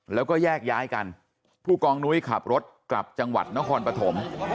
แล้วก็แยกย้ายกันผู้กองนุ้ยขับรถกลับจังหวัดนครปฐม